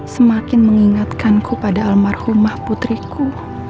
semakin mengingatkanku pada almarhumah putriku